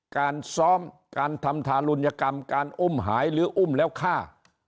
การซ้อมการทำทารุณกรรมการอุ้มหายหรืออุ้มแล้วฆ่า